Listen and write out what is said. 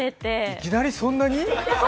いきなりそんなに？